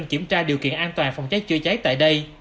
kiểm tra điều kiện an toàn phòng cháy chữa cháy tại đây